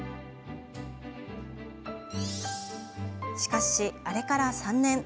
しかし、あれから３年。